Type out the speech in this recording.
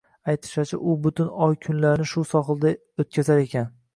Aytishlaricha, u butun oy-kunlarini shu sohilda oʻtkazar ekan